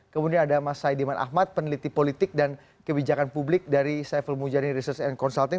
kemudian ada mas saidiman ahmad peneliti politik dan kebijakan publik dari saiful mujani research and consulting